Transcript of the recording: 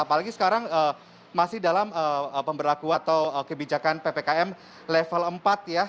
apalagi sekarang masih dalam pemberlakuan atau kebijakan ppkm level empat ya